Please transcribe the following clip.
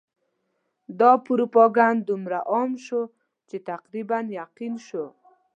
دا پروپاګند دومره عام شو چې تقریباً یقین شو.